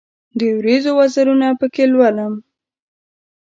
د اوریځو وزرونه پکښې لولم